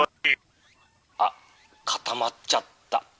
「あっ固まっちゃった」。